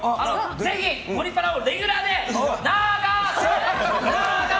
ぜひ「ゴリパラ」をレギュラーで。